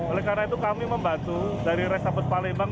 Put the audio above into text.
oleh karena itu kami membantu dari resabet palembang